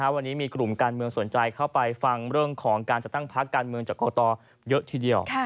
วันนี้มีกลุ่มการเมืองสนใจเข้าไปฟังเรื่องของการจัดตั้งพักการเมืองจากกตเยอะทีเดียว